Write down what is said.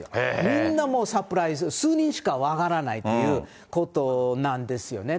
みんなサプライズ、数人しか分からないということなんですね。